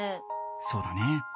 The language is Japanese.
そうだね。